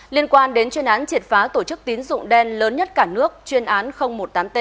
liên quan đến chuyên án triệt phá tổ chức tín dụng đen lớn nhất cả nước chuyên án một mươi tám t